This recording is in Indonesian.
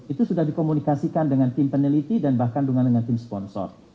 itu sudah dikomunikasikan dengan tim peneliti dan bahkan dengan tim sponsor